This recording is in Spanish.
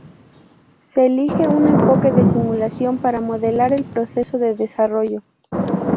Se elige un enfoque de simulación para modelar el proceso de desarrollo.